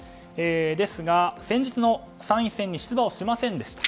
ですが、先日の参院選に出馬をしませんでした。